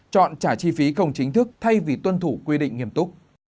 chọn trả chi phí không chính thức thay vì tuân thủ quy định nghiêm túc